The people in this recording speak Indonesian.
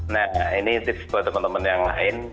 nah ini tips buat teman teman yang lain